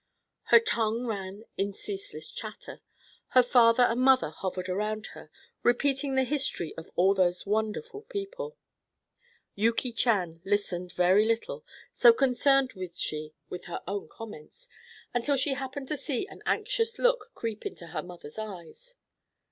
Her tongue ran in ceaseless chatter. Her father and mother hovered around her, repeating the history of all those wonderful people. Yuki Chan listened very little, so concerned was she with her own comments, until she happened to see an anxious look creep into her mother's eyes.